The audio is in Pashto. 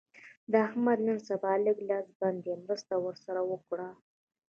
د احمد نن سبا لږ لاس بند دی؛ مرسته ور سره وکړه.